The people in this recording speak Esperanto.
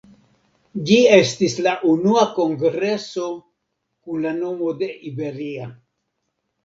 Ĝi estis la unua kongreso kun la nomo de Iberia.